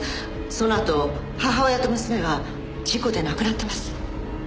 そのあと母親と娘は事故で亡くなってます。